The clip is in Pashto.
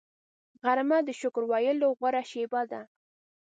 غرمه د شکر ویلو غوره شیبه ده